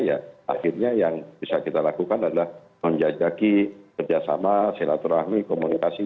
ya akhirnya yang bisa kita lakukan adalah menjajaki kerjasama silaturahmi komunikasi